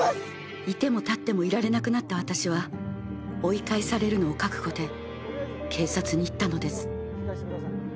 ［居ても立ってもいられなくなった私は追い返されるのを覚悟で警察に行ったのです］